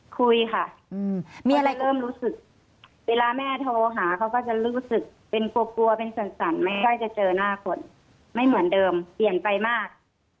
คุยค่ะเวลาแม่โทรหาเขาก็จะรู้สึกเป็นกลัวเป็นสั่นไม่ใกล้จะเจอหน้าคนไม่เหมือนเดิมเปลี่ยนไปมาก